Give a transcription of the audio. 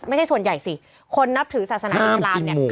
ไม่ใช่ส่วนใหญ่สิคนนับถือศาสนาอิสรามเนี่ย